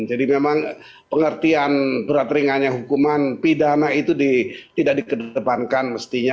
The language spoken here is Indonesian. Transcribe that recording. jadi memang pengertian berat ringannya hukuman pidana itu tidak dikedepankan mestinya